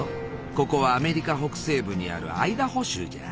ここはアメリカ北西部にあるアイダホ州じゃ。